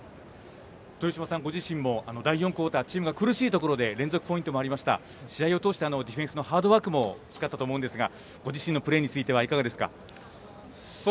豊島さんご自身も第４クオーター、チームが苦しいところで連続ポイントもありましたが試合を通してディフェンスのハードワークも光ったと思いますがご自身のプレーについてはいかがですか。